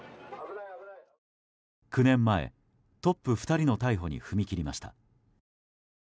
９年前、トップ２人の逮捕に踏み切りました。